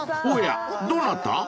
［おやどなた？］